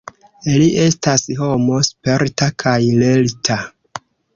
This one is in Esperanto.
Li estas homo sperta kaj lerta.